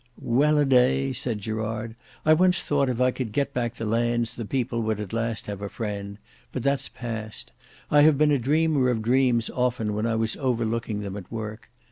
"Well a day," said Gerard, "I once thought if I could get back the lands the people would at last have a friend; but that's past. I have been a dreamer of dreams often when I was overlooking them at work.